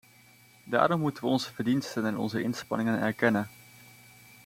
Daarom moeten we onze verdiensten en onze inspanningen erkennen.